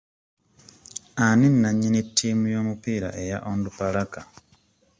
Ani nannyini ttiimu y'omupiira eya Onduparaka?